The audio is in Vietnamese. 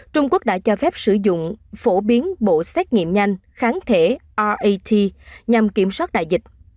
trung quốc đã cho phép sử dụng phổ biến bộ xét nghiệm nhanh kháng thể oat nhằm kiểm soát đại dịch